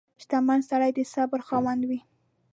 • شتمن سړی د صبر خاوند وي.